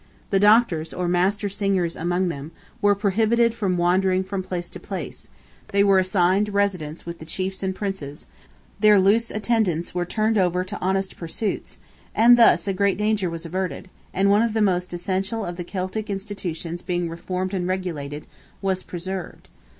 The doctors, or master singers among them, were prohibited from wandering from place to place; they were assigned residence with the chiefs and princes; their losel attendants were turned over to honest pursuits, and thus a great danger was averted, and one of the most essential of the Celtic institutions being reformed and regulated, was preserved.